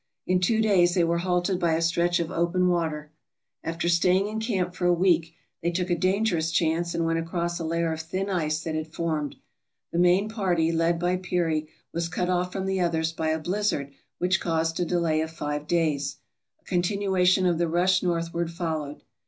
In two days they were halted by a stretch of open water. After staying in camp MISCELLANEOUS 467 for a week, they took a dangerous chance and went across a layer of thin ice that had formed. The main party, led by Peary, was cut off from the others by a blizzard which caused a delay of five days. A continuation of the rush northward followed.